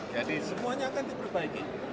jadi semuanya akan diperbaiki